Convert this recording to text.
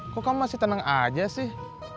kok kamu masih tenang aja sih